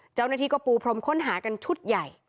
เจ้าหน้าที่ก็ปูพรมค้นหากันชุดใหญ่